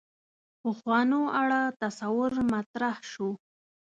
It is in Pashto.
پخوانو اړه تصور مطرح شو.